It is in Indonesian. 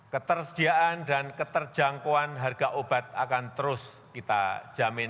ketersediaan dan keterjangkauan harga obat akan terus kita jamin